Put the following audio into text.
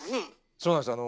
そうなんですよ。